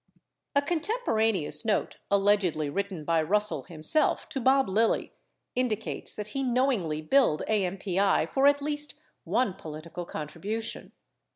33 A contemporaneous note allegedly written by Russell himself to Bob Lilly indicates that he knowingly billed AMPI for at least one political contribution.